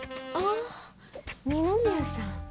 あぁ二宮さん。